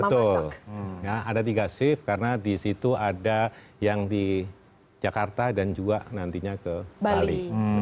betul ada tiga shift karena di situ ada yang di jakarta dan juga nantinya ke bali